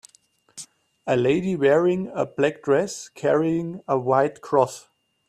a lady wearing a black dress carrying a white cross